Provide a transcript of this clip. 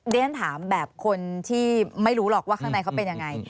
เรียนถามแบบคนที่ไม่รู้หรอกว่าข้างในเขาเป็นยังไง